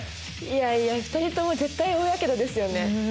いやいや２人とも絶対大やけどですよね！